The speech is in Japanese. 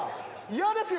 嫌ですよ